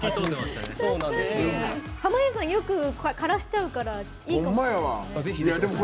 濱家さん、よくからしちゃうからいいかもしれないですね。